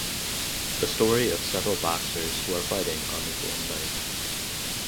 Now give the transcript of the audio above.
The story of several boxers who are fighting on the one night.